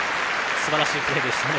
すばらしいプレーでしたね。